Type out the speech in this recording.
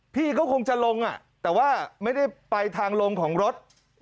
พี่ก็คงจะลงแต่ว่าไม่ได้ไปทางลงของรถ